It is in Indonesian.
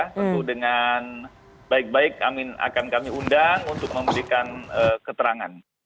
tentu dengan baik baik amin akan kami undang untuk memberikan keterangan